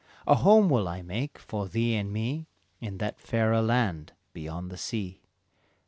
A home will I make for thee and me In that fairer land beyond the sea."